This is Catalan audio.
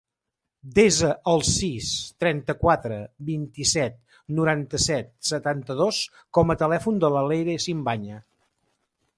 Desa el sis, trenta-quatre, vint-i-set, noranta-set, setanta-dos com a telèfon de la Leyre Simbaña.